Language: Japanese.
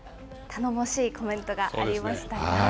頼もしいコメントがありました。